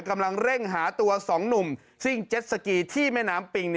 กำลังเร่งหาตัว๒หนุ่มซิ่งเจ็ดสกีที่แม่น้ำปิง